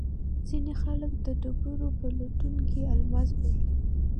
ځینې خلک د ډبرو په لټون کې الماس بایلي.